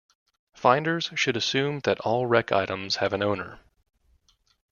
Finders should assume that all wreck items have an owner.